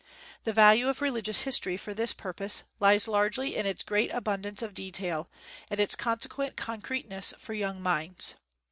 The value of religious history for this pur pose lies largely in its great abundance of detail, and its consequent concreteness for young minds.